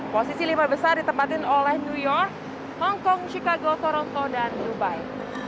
posisi lima besar ditempatkan oleh new york hong kong chicago toronto dan dubai